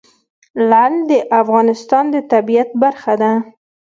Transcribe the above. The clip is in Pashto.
لعل د افغانستان د طبیعت برخه ده.